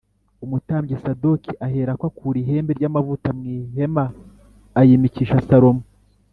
Umutambyi Sadoki aherako akura ihembe ry’amavuta mu ihema ayimikisha Salomo